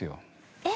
えっ？